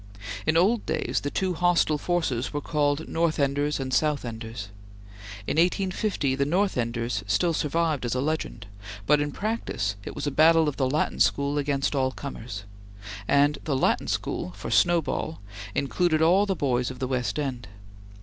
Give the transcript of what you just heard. In old days the two hostile forces were called North Enders and South Enders. In 1850 the North Enders still survived as a legend, but in practice it was a battle of the Latin School against all comers, and the Latin School, for snowball, included all the boys of the West End.